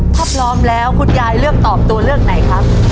ถ้าพร้อมแล้วคุณยายเลือกตอบตัวเลือกไหนครับ